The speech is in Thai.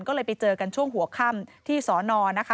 ก็เลยไปเจอกันช่วงหัวค่ำที่สน